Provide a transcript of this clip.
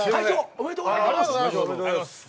ありがとうございます。